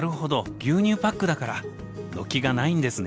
牛乳パックだから軒がないんですね。